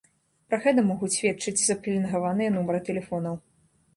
Пра гэта могуць сведчыць запеленгаваныя нумары тэлефонаў.